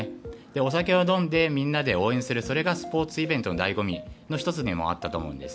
お酒を飲んでみんなで応援するそれがスポーツイベントの醍醐味の１つでもあったと思うんです。